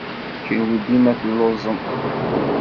Kenwi dima telluẓem!